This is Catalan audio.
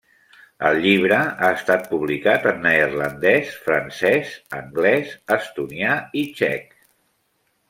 El llibre ha estat publicat en neerlandès, francès, anglès, estonià i txec.